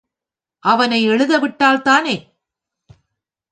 அவனை எழுத விட்டால்தானே!